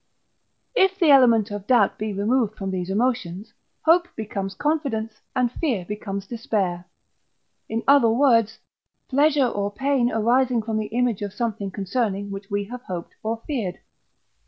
If the element of doubt be removed from these emotions, hope becomes Confidence and fear becomes Despair. In other words, Pleasure or Pain arising from the image of something concerning which we have hoped or feared.